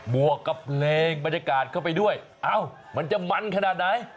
วกกับเพลงบรรยากาศเข้าไปด้วยเอ้ามันจะมันขนาดไหน